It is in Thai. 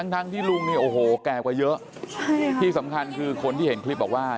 ทั้งที่ลุงแกกว่าเยอะที่สำคัญคือคนที่เห็นคลิปบอกว่า